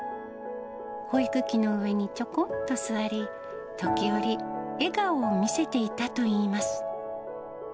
保育器の上にちょこっと座り、時折、笑顔を見せていたといいます。